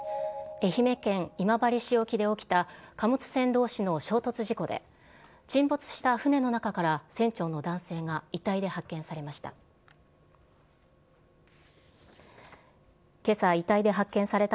愛媛県今治市沖で起きた貨物船同士の衝突事故で、沈没した船の中から船長の男性が遺体で発見されました。